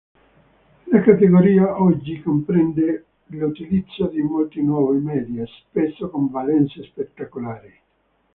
La categoria oggi comprende l'utilizzo di molti nuovi media, spesso con valenze spettacolari.